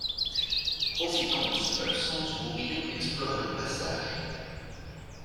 Profitant de son absence Bourillon explore le passage.